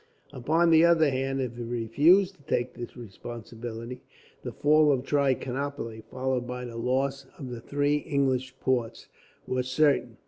Upon the other hand, if he refused to take this responsibility the fall of Trichinopoli, followed by the loss of the three English ports, was certain.